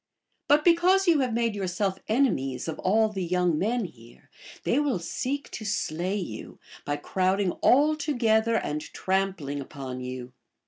But because you have made your self enemies of all the young men here, they will seek to slay you, by crowding all together and trampling upon you.